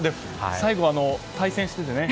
最後、対戦しててね。